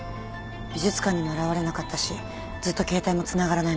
美術館にも現れなかったしずっと携帯もつながらないままです。